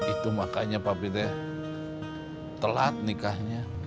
itu makanya papi tuh telat nikahnya